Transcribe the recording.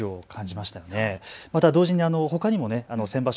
また同時にほかにも先場所